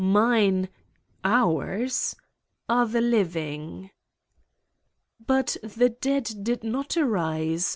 Mine ... ours are the living." "But the dead did not arise.